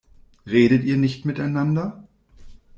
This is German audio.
Redet ihr nicht miteinander?